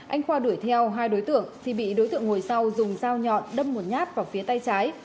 anh khoa đuổi theo hai đối tượng thì bị đối tượng ngồi sau dùng dao nhọn đâm một nhát vào phía tay trái